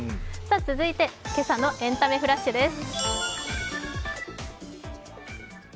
続いて今朝の「エンタメフラッシュ」です。